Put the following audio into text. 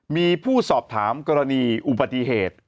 มีผู้สอบถามกรณีอุบัติเหตุ